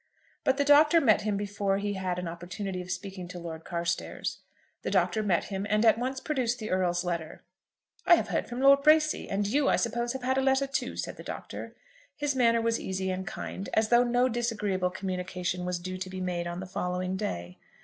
But the Doctor met him before he had an opportunity of speaking to Lord Carstairs. The Doctor met him, and at once produced the Earl's letter. "I have heard from Lord Bracy, and you, I suppose, have had a letter too," said the Doctor. His manner was easy and kind, as though no disagreeable communication was due to be made on the following day.